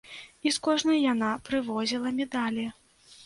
І з кожнай яна прывозіла медалі.